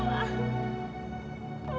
kamu harus pulang